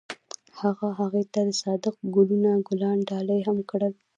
هغه هغې ته د صادق ګلونه ګلان ډالۍ هم کړل.